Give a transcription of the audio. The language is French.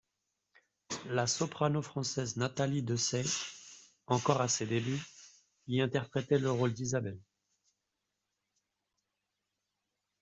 La soprano française Natalie Dessay, encore à ses débuts, y interprétait le rôle d’Isabelle.